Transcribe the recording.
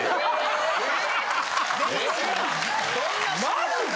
マジで？